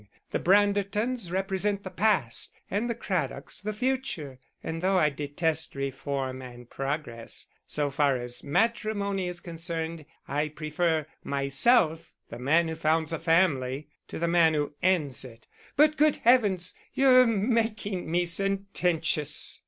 The Brandertons represent the past and the Craddocks the future; and though I detest reform and progress, so far as matrimony is concerned I prefer myself the man who founds a family to the man who ends it. But, good Heavens! you're making me sententious."